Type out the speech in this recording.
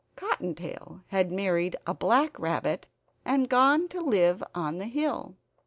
(Cottontail had married a black rabbit, and gone to live on the hill.)